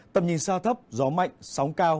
tầm nhìn xa thấp gió mạnh sóng cao